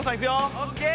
オッケー！